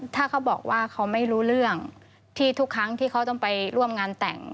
ถ้าเขาบอกว่าเขาไม่รู้เรื่องที่ทุกครั้งที่เขาต้องไปร่วมงานแต่ง